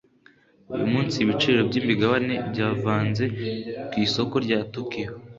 uyu munsi ibiciro byimigabane byavanze ku isoko rya tokiyo